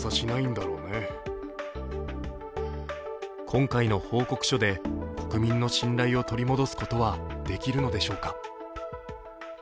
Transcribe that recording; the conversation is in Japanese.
今回の報告書で国民の信頼を取り戻すことはできるのでしょうか。